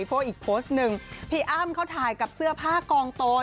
โชว์อีกโพสต์หนึ่งพี่อ้ามเขาถ่ายกับเสื้อผ้ากองโต